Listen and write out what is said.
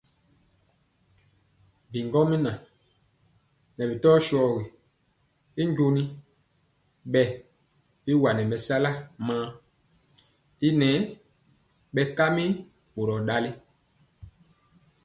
Bigɔmŋa ŋɛɛ bi tɔ shogi y joni bɛ biwani mɛsala man y nɛɛ bɛkami boror ndali.